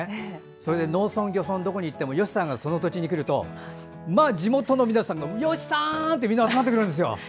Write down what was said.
それで農村、漁村どこに行っても吉さんがその土地に来ると地元の皆さんが吉さん！ってみんな集まってくるんですよ。